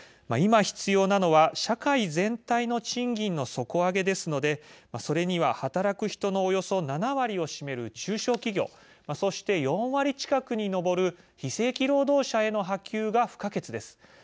今、必要なのは社会全体の賃金の底上げですのでそれには働く人のおよそ７割を占める中小企業そして、４割近くに上る非正規労働者への波及が不可欠です。